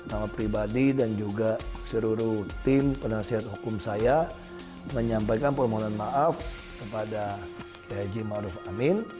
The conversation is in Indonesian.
saya atas nama pribadi dan juga seluruh tim penelusuran hukum saya menyampaikan permohonan maaf kepada kiyai maruf amin